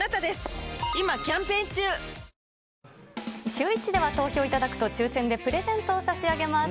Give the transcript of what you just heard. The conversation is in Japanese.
シューＷｈｉｃｈでは投票いただくと抽せんでプレゼントを差し上げます。